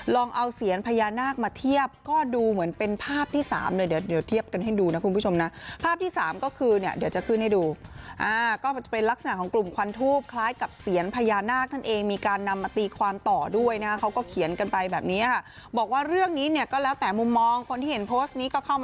ลองเอาเสียนพญานาคมาเทียบก็ดูเหมือนเป็นภาพที่สามเลยเดี๋ยวเดี๋ยวเทียบกันให้ดูนะคุณผู้ชมนะภาพที่สามก็คือเนี่ยเดี๋ยวจะขึ้นให้ดูอ่าก็จะเป็นลักษณะของกลุ่มควันทูปคล้ายกับเสียญพญานาคนั่นเองมีการนำมาตีความต่อด้วยนะเขาก็เขียนกันไปแบบนี้ค่ะบอกว่าเรื่องนี้เนี่ยก็แล้วแต่มุมมองคนที่เห็นโพสต์นี้ก็เข้ามา